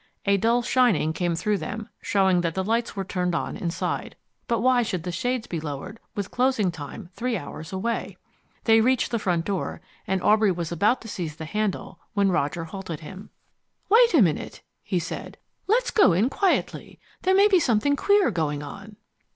A dull shining came through them, showing that the lights were turned on inside. But why should the shades be lowered with closing time three hours away? They reached the front door, and Aubrey was about to seize the handle when Roger halted him. "Wait a moment," he said. "Let's go in quietly. There may be something queer going on."